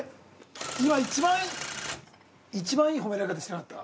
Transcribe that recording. ◆今、一番いい褒められ方してなかった？